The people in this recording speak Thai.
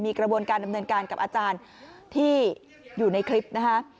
เรียกร้องให้ทางโรงเรียนมีกระบวนการดำเนินการกับอาจารย์ที่อยู่ในคลิปนะฮะ